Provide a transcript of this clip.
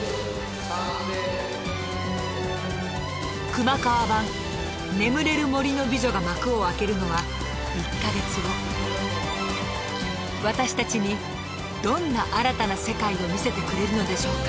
熊川版「眠れる森の美女」が幕を開けるのは１か月後私たちにどんな新たな世界を見せてくれるのでしょうか